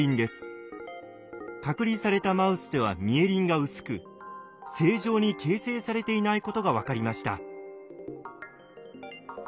隔離されたマウスではミエリンが薄く正常に形成されていないことが分かりました。